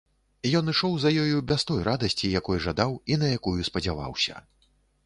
Ён ішоў за ёю без той радасці, якой жадаў і на якую спадзяваўся.